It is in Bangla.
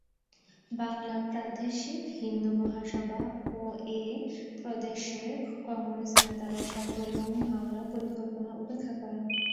বাংলা প্রাদেশিক হিন্দু মহাসভা ও এ প্রদেশের কংগ্রেস নেতারা সার্বভৌম বাংলা পরিকল্পনা উপেক্ষা করেন।